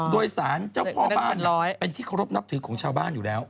โดยสารเจ้าพ่อบ้านเป็นที่เคารพนับถือของชาวบ้านอยู่แล้ว